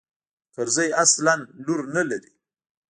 کرزى اصلاً لور نه لري.